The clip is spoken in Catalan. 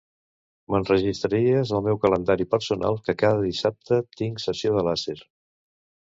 M'enregistraries al meu calendari personal que cada dissabte tinc sessió de làser.